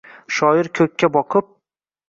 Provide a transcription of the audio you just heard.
Shoir ko’kka boqib